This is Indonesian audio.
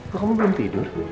kok kamu belum tidur